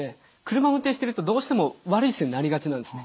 車を運転してるとどうしても悪い姿勢になりがちなんですね。